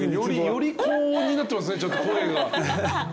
より高音になってますね声が。